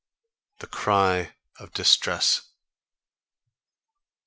THE CRY OF DISTRESS.